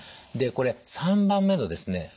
でこれ③番目のですね